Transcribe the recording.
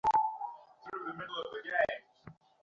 আমি দুঃখিত স্যার।